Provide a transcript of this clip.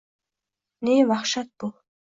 «Ne vahshat bu